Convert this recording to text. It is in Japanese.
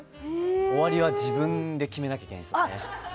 終わりは自分で決めなきゃいけないんですよね。